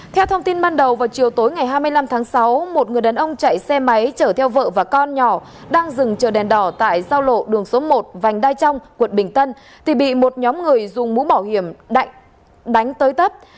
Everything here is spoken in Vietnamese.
theo thông tin ban đầu vào chiều tối ngày hai mươi năm tháng sáu một người đàn ông chạy xe máy chở theo vợ và con nhỏ đang dừng chờ đèn đỏ tại giao lộ đường số một vành đai trong quận bình tân thì bị một nhóm người dùng mũ bảo hiểm đánh tới tấp